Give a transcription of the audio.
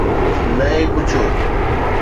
نه ئي پڇيو